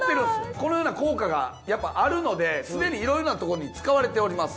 このような効果がやっぱあるのですでにいろいろなところに使われております